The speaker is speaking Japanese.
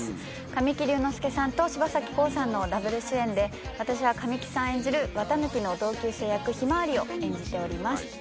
神木隆之介さんと柴咲コウさんのダブル主演で私は神木さん演じる四月一日の同級生役ひまわりを演じております。